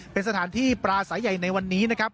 เป็นสถานที่ปลาใสใหญ่ในวันนี้